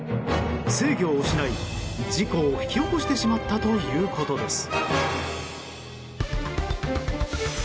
制御を失い事故を引き起こしてしまったということです。